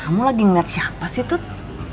kamu lagi ngeliat siapa sih tut